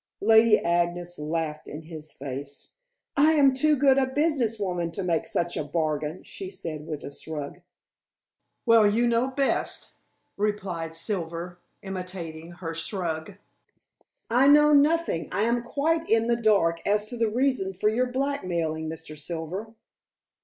Lady Agnes laughed in his face. "I am too good a business woman to make such a bargain," she said with a shrug. "Well, you know best," replied Silver, imitating her shrug. "I know nothing; I am quite in the dark as to the reason for your blackmailing, Mr. Silver."